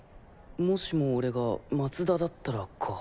もしも俺が松田だったらか。